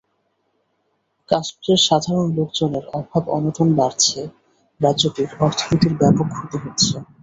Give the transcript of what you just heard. কাশ্মীরের সাধারণ লোকজনের অভাব অনটন বাড়ছে, রাজ্যটির অর্থনীতির ব্যাপক ক্ষতি হচ্ছে।